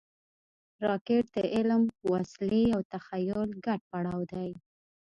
راکټ د علم، وسلې او تخیل ګډ پړاو دی